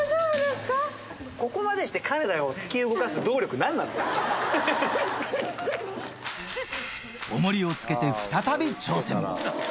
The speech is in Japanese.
ここまでして彼らを突き動かす動力、おもりをつけて再び挑戦。